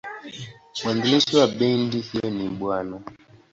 Mwanzilishi wa bendi hiyo ni Bw.